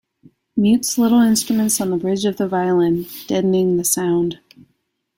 Mutes little instruments on the bridge of the violin, deadening the sound.